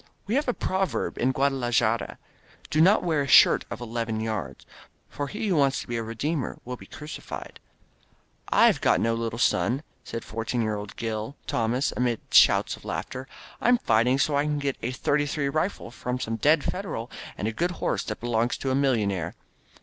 "We have a proverb in Guadalajara: *Do not wear a shirt of eleven yards, for he who wants to be a Redeemer will be crucified.' " 78 THE LAST NIGHT ««y». ^rve got no little son,'' said fourteen year old Gil Tomas, amid shouts of laughter. ^^I'm fighting so I can get a thirty thirty rifle from some dead Federal, and a good horse that belonged to a millionaire."